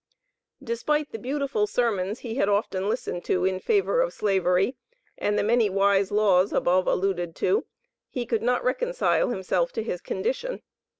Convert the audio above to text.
Despite the beautiful sermons he had often listened to in favor of Slavery, and the many wise laws, above alluded to, he could not reconcile himself to his condition.